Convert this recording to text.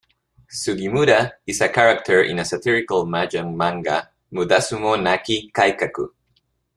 Sugimura is a character in a satirical mahjong manga "Mudazumo Naki Kaikaku".